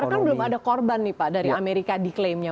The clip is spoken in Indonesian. karena kan belum ada korban nih pak dari amerika diklaimnya